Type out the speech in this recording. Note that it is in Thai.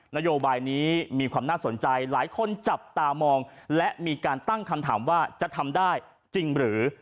นโยบายนี้มีความน่าสนใจหลายคนจับตามองและมีการตั้งคำถามว่าจะทำได้จริงหรือ